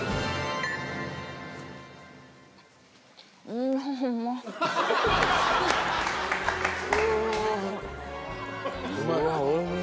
うわっおいしい。